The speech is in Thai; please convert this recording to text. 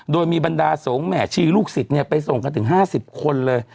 โดยมีบรรดาสงฆ์แม่ชีลูกศิษย์ไปส่งกันถึง๕๐คนเลย